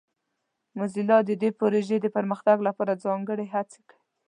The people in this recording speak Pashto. موزیلا د دې پروژې د پرمختګ لپاره ځانګړې هڅې کوي.